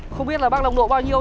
không biết là bác lồng độ bao nhiêu